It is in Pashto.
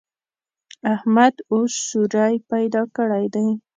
احمد اوس سوری پیدا کړی دی.